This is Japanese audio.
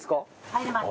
入れます。